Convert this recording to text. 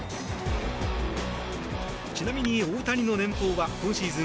ちなみに大谷の年俸は今シーズン